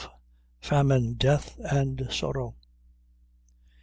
Famine, Death, and Sorrow.